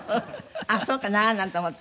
あっそうかな？なんて思って。